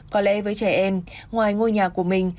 có lẽ với trẻ em ngoài ngôi nhà của mình